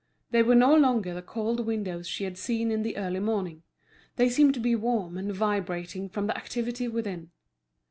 They were no longer the cold windows she had seen in the early morning; they seemed to be warm and vibrating from the activity within.